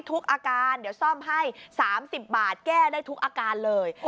ทุกอาการเดี๋ยวซ่อมให้๓๐บาทแก้ได้ทุกอาการเลย